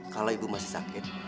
kalau ibu masih sakit